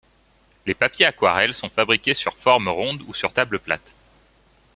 Les papiers aquarelles sont fabriqués sur forme ronde ou sur table plate.